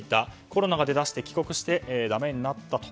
コロナが出だして帰国してだめになったと。